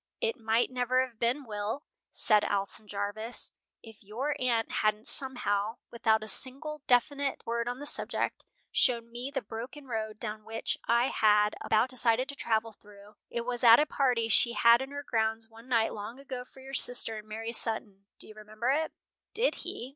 "It might never have been, Will," said Alson Jarvis, "if your aunt hadn't somehow, without a single definite word on the subject, shown me the broken road down which I had about decided to travel through It was at a party she had in her grounds one night long ago for your sister and Mary Sutton. Do you remember it?" Did he?